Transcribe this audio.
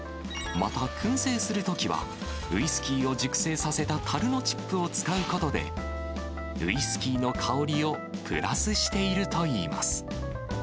また、くん製するときは、ウイスキーを熟成させたたるのチップを使うことで、ウイスキーの香りをプラスしているといいます。